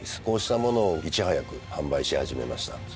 こうしたものをいち早く販売し始めました。